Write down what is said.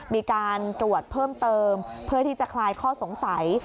มีการตรวจเพิ่มเติมเพื่อที่จะคลายข้อสงสัย